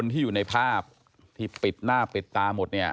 ที่อยู่ในภาพที่ปิดหน้าปิดตาหมดเนี่ย